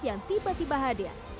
yang tiba tiba hadir